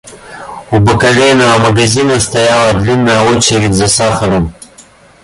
У бакалейного магазина стояла длинная очередь за сахаром.